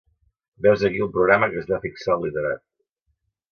Veu 's aquí el programa que es va fixar el literat.